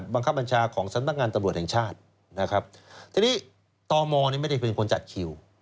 บังคับบัญชาของสำนักงานตำรวจแห่งชาตินะครับทีนี้ตมไม่ได้เป็นคนจัดคิว